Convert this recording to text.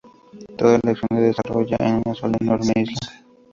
Toda la acción se desarrolla en una sola enorme isla.